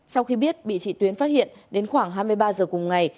sau khi biết bị chị tuyến phát hiện đến khoảng hai mươi ba giờ cùng ngày